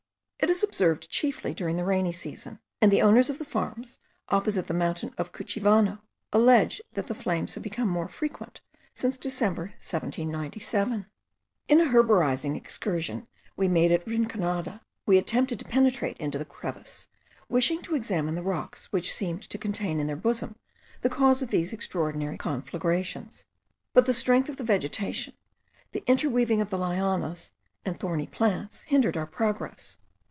It is observed chiefly during the rainy season; and the owners of the farms opposite the mountain of Cuchivano allege that the flames have become more frequent since December 1797. In a herborizing excursion we made at Rinconada we attempted to penetrate into the crevice, wishing to examine the rocks which seemed to contain in their bosom the cause of these extraordinary conflagrations; but the strength of the vegetation, the interweaving of the lianas, and thorny plants, hindered our progress.